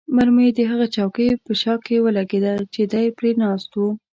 مرمۍ د هغه چوکۍ په شا کې ولګېده چې دی پرې ناست وو.